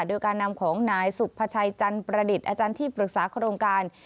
โดยการนำของนายสุภาชัยจันประดิษฐ์อาจารย์ที่ปรึกษาโครงการ